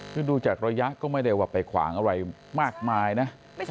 คือดูจากระยะก็ไม่ได้ว่าไปขวางอะไรมากมายนะ